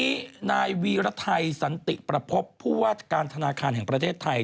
วันนี้นายวีรไทยสันติประพบผู้ว่าการธนาคารแห่งประเทศไทย